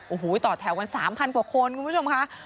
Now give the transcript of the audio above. โอ้โหต่อแถวกัน๓๐๐กว่าคนคุณผู้ชมค่ะ